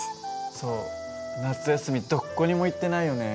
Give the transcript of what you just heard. そう夏休みどこにも行ってないよね。